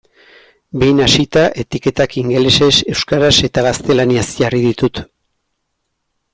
Behin hasita, etiketak ingelesez, euskaraz eta gaztelaniaz jarri ditut.